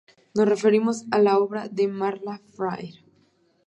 Nos referimos a la obra de Marla Freire.